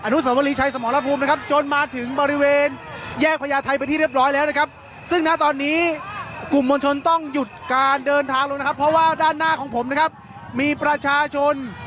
นุสวรีชัยสมรภูมินะครับจนมาถึงบริเวณแยกพญาไทยไปที่เรียบร้อยแล้วนะครับซึ่งณตอนนี้กลุ่มมวลชนต้องหยุดการเดินทางลงนะครับเพราะว่าด้านหน้าของผมนะครับมีประชาชน